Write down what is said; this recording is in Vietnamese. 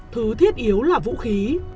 thứ thiết yếu là vũ khí